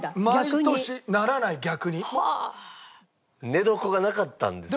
寝床がなかったんですもんね。